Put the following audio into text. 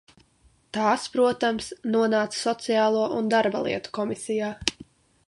Tās, protams, nonāca Sociālo un darba lietu komisijā.